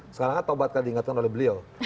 sekarang kan taubat kan diingatkan oleh beliau